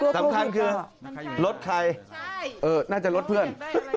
สำคัญคือรถใครน่าจะรถเพื่อน